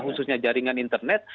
khususnya jaringan internet